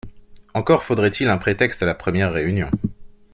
Encore faudrait-il un prétexte à la première réunion.